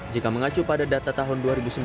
jika mengacu pada data tahun dua ribu sembilan belas